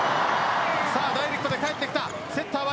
ダイレクトで返ってきた。